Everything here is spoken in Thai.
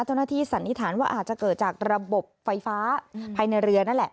สันนิษฐานว่าอาจจะเกิดจากระบบไฟฟ้าภายในเรือนั่นแหละ